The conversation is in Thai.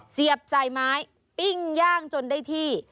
เสียบใส่ไม้ปิ้งย่างจนได้ที่